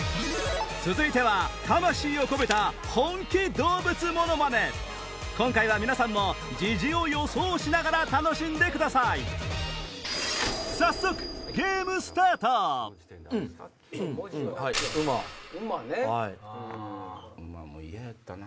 続いては今回は皆さんもジジを予想しながら楽しんでください早速ウマも嫌やったな。